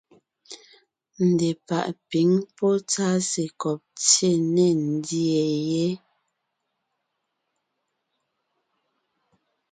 Ndepàʼ pǐŋ pɔ́ tsásekɔb tsyé ne ńdyê yé.